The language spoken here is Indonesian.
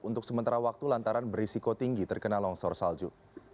untuk sementara waktu lantaran berisiko tinggi terkena longsor salju